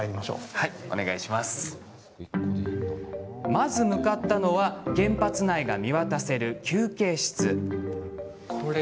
まず向かったのは原発内が見渡せる、休憩室。